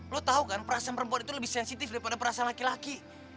lo tahu kan perasaan perempuan itu lebih sensitif daripada perasaan laki laki